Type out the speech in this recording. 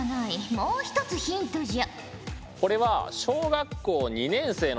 もう一つヒントじゃ。